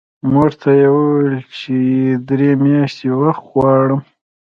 مور ته یې وویل چې درې میاشتې وخت غواړم